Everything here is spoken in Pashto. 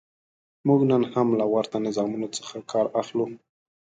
موږ نن هم له ورته نظامونو څخه کار اخلو.